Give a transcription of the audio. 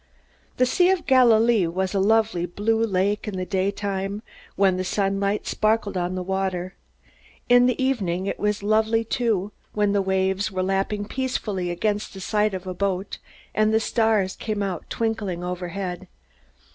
The Sea of Galilee was a lovely blue lake in the daytime, when the sunlight sparkled on the water. In the evening it was lovely too, when the waves were lapping peacefully against the side of a boat, and the stars came out twinkling overhead.